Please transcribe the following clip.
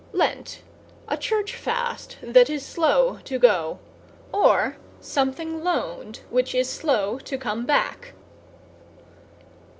=LENT= A Church fast that is slow to go; or something loaned which is slow to come back.